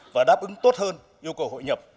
và đáp ứng tốt hơn yêu cầu hội nhập